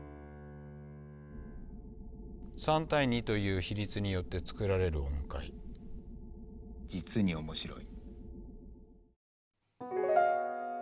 ３対２という比率によって作られる音階実に面白い。